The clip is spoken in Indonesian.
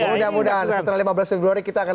mudah mudahan setelah lima belas februari kita akan